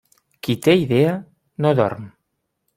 Qui té idea, no dorm.